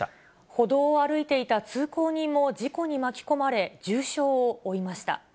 歩道を歩いていた通行人も事故に巻き込まれ、重傷を負いました。